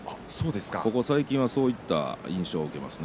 ここ最近はそういった印象を受けますね。